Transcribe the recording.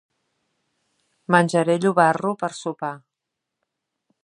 Menjaré llobarro per sopar.